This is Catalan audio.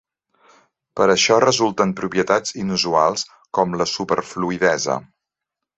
Per això resulten propietats inusuals com la superfluïdesa.